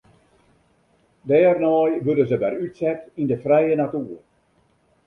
Dêrnei wurde se wer útset yn de frije natoer.